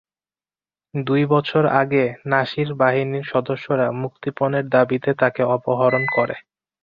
দুই বছর আগে নাসির বাহিনীর সদস্যরা মুক্তিপণের দাবিতে তাঁকে অপহরণ করে।